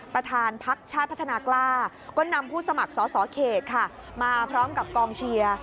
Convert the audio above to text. ประธานพักชาติพัฒนากล้าก็นำผู้สมัครสอสอเขตค่ะมาพร้อมกับกองเชียร์